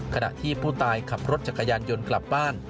ขณะที่ผู้ตายขับรถจักรยานยนต์กลับบ้าน